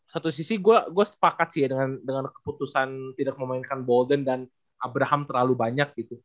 satu sisi gue sepakat sih ya dengan keputusan tidak memainkan bolden dan abraham terlalu banyak gitu